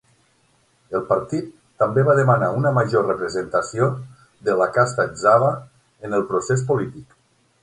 El partit també va demanar una major representació de la casta Ezhava en el procés polític.